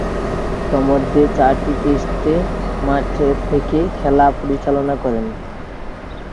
তন্মধ্যে চারটি টেস্টে মাঠে থেকে খেলা পরিচালনা করেন।